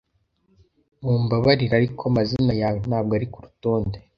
Mumbabarire, ariko amazina yawe ntabwo ari kurutonde.